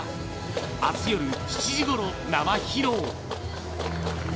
あす夜７時ごろ、生披露。